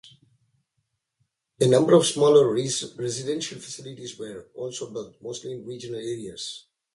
A number of smaller residential facilities were also built, mostly in regional areas.